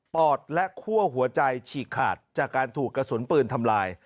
อดและคั่วหัวใจฉีกขาดจากการถูกกระสุนปืนทำลาย